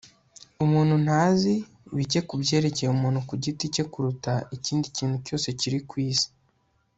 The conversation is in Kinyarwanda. umuntu ntazi bike ku byerekeye umuntu ku giti cye kuruta ikindi kintu cyose kiri ku isi